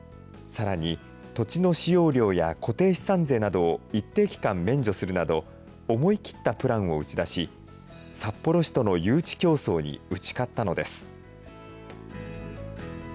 さらに、土地の使用料や固定資産税などを一定期間免除するなど、思い切ったプランを打ち出し、札幌市との誘致競争に打ち勝ったのです。